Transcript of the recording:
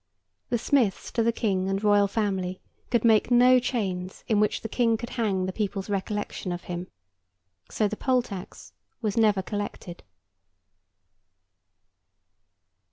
The Smiths to the King and Royal Family, could make no chains in which the King could hang the people's recollection of him; so the Poll tax was never collected.